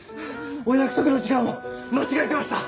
お約束の時間を間違えてました。